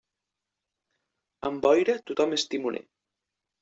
Amb boira, tothom és timoner.